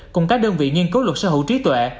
cùng các đơn vị nghiên cứu luật sở hữu trí tuệ